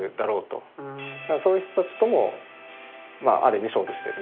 そういう人たちともある意味勝負してる。